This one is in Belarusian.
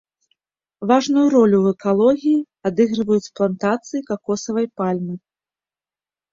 Важную ролю ў экалогіі адыгрываюць плантацыі какосавай пальмы.